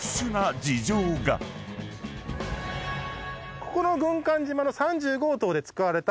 ここの軍艦島の。